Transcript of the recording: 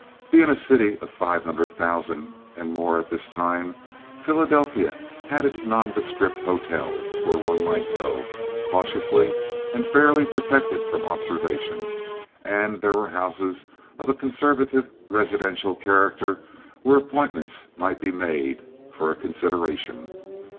Being a city of five hundred thousand and more at this time, Philadelphia had its nondescript hotels, where one might go, cautiously and fairly protected from observation; and there were houses of a conservative, residential character, where appointments might be made, for a consideration.